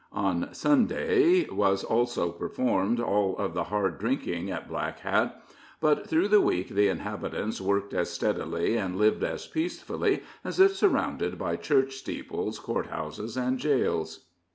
On Sunday was also performed all of the hard drinking at Black Hat; but through the week the inhabitants worked as steadily and lived as peacefully as if surrounded by church steeples court houses and jails.